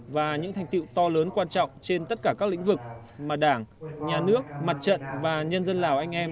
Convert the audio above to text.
và những thành tiệu to lớn quan trọng trên tất cả các lĩnh vực mà đảng nhà nước mặt trận và nhân dân lào anh em